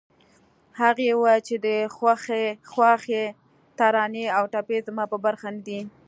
هغې وويل چې د خوښۍ ترانې او ټپې زما په برخه نه دي